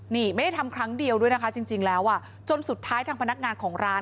นี่ไม่ได้ทำครั้งเดียวด้วยนะคะจริงแล้วอ่ะจนสุดท้ายทางพนักงานของร้าน